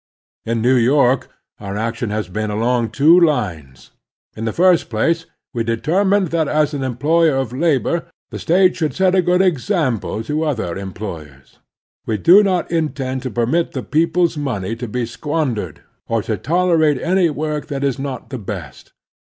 In New York our action has been along two lines. In the first place, we determined that as an employer of labor the State should set a good example to other employers. We do not intend to permit the people's money to be squandered or to tolerate any work that is not the best.